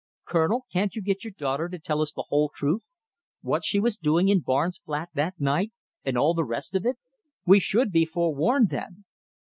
Colonel, can't you get your daughter to tell us the whole truth what she was doing in Barnes' flat that night, and all the rest of it? We should be forewarned then!"